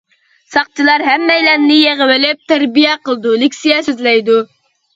ساقچىلار ھەممەيلەننى يىغىۋېلىپ تەربىيە قىلىدۇ، لېكسىيە سۆزلەيدۇ.